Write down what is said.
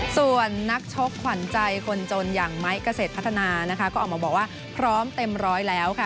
ส่วนนักชกขวัญใจคนจนอย่างไม้เกษตรพัฒนานะคะก็ออกมาบอกว่าพร้อมเต็มร้อยแล้วค่ะ